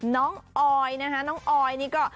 น้องออยนี่ก็